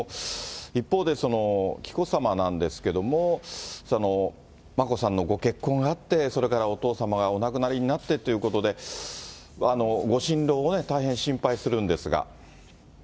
一方で紀子さまなんですけれども、眞子さんのご結婚があって、それからお父様がお亡くなりになってということで、ご心労も大変そうですね。